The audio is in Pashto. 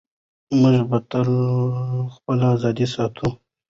موږ به تل خپله ازادي ساتو.